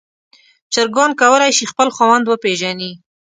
چرګان کولی شي خپل خاوند وپیژني.